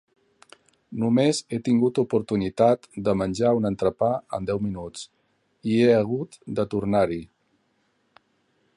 Només he tingut oportunitat de menjar un entrepà en deu minuts, i he hagut de tornar-hi!